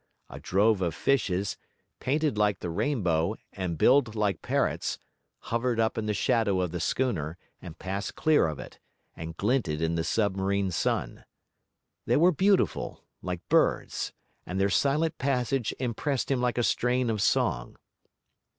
A drove of fishes, painted like the rainbow and billed like parrots, hovered up in the shadow of the schooner, and passed clear of it, and glinted in the submarine sun. They were beautiful, like birds, and their silent passage impressed him like a strain of song.